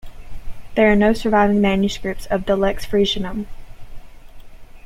There are no surviving manuscripts of the Lex Frisionum.